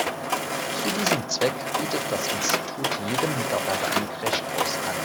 Zu diesem Zweck bietet das Institut jedem Mitarbeiter einen Crashkurs an.